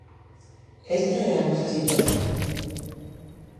Esa é a nosa situación.